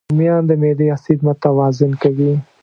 رومیان د معدې اسید متوازن کوي